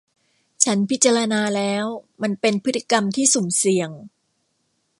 ฉันพิจารณาแล้วว่ามันเป็นพฤติกรรมที่สุ่มเสี่ยง